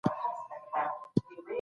کيدای سي نن هوا ډېره ښه سي.